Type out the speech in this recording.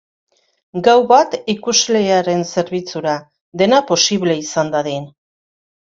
Gau bat ikuslearen zerbitzura, dena posible izan dadin.